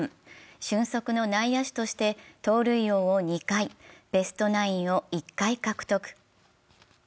俊足の内野手として盗塁王を２回、ベストナインを１回獲得。